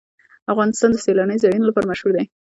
افغانستان د سیلانی ځایونه لپاره مشهور دی.